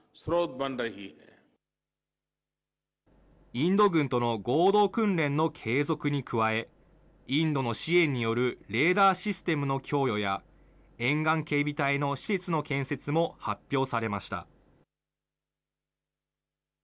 インド軍との合同訓練の継続に加え、インドの支援によるレーダーシステムの供与や、沿岸警備隊の施設の建設も発表されました。